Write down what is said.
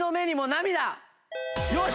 よし！